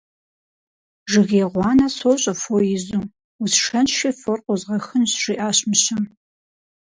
Жыгей гъуанэ сощӀэ, фо изу, усшэнщи, фор къозгъэхынщ, - жиӀащ мыщэм.